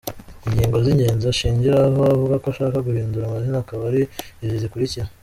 Ingingo z’ingenzi ashingiraho avuga ko ashaka guhindura amazina akaba ari izi zikurikira:.